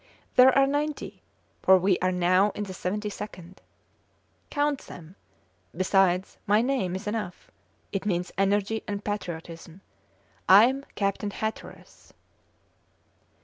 There are ninety, for we are now in the seventy second. Count them. Besides, my name is enough. It means energy and patriotism. I am Captain Hatteras!"